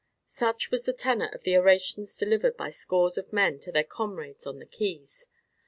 Such was the tenor of the orations delivered by scores of men to their comrades on the quays.